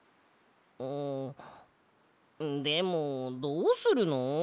あでもどうするの？